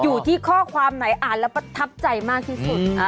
อยู่ที่ข้อความไหนอ่านแล้วประทับใจมากที่สุด